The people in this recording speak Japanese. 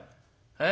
「え？